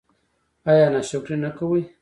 ایا ناشکري نه کوئ؟